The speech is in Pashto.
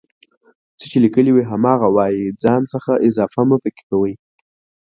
څه چې ليکلي وي هماغه وايئ ځان څخه اضافه مه پکې کوئ